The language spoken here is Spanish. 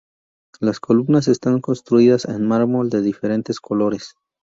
Las columnas está construidas en mármol de diferentes colores.